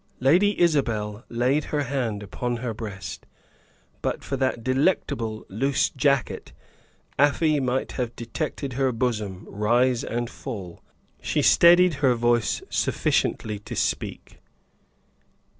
Lady Isabel laid her hand upon her breast. But for that delectable "loose jacket," Afy might have detected her bosom rise and fall. She steadied her voice sufficiently to speak.